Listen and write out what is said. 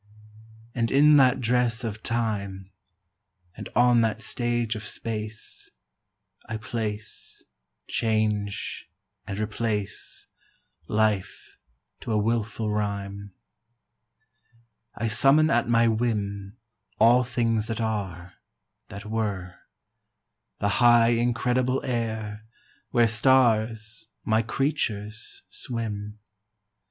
And in that dress of time And on that stage of space I place, change, and replace Life to a wilful rime. I summon at my whim All things that are, that were: The high incredible air, Where stars my creatures swim.